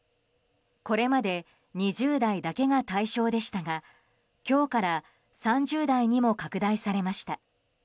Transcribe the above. これまで２０代だけが対象でしたが今日から３０代にも拡大されました。